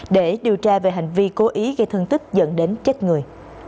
để điều tra về hành vi cố ý gây thương tích dẫn đến chết người